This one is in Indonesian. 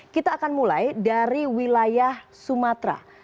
kita akan mulai dari wilayah sumatera